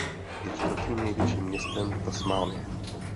Je čtvrtým největším městem Tasmánie.